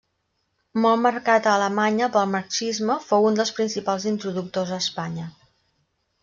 Molt marcat a Alemanya pel marxisme, fou un dels principals introductors a Espanya.